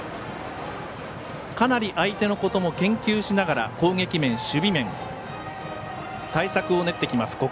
かなり相手のことも研究しながら攻撃面、守備面対策を練ってきます